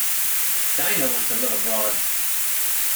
Dina went to live abroad.